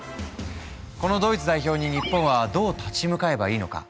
このドイツ代表に日本はどう立ち向かえばいいのか？